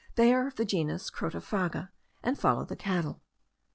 They are of the genus Crotophaga,* and follow the cattle.